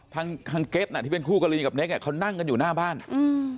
ทางทางเก็ตน่ะที่เป็นคู่กรณีกับเน็กอ่ะเขานั่งกันอยู่หน้าบ้านอืม